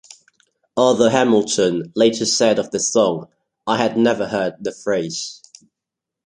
Arthur Hamilton later said of the song: I had never heard the phrase.